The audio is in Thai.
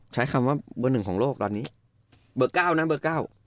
ใช้คำว่าเบอร์๑ของโลกตอนนี้เบอร์๙นะเบอร์๙